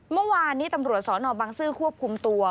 เมื่อวานนี้ตำรวจสนบังซื้อควบคุมตัว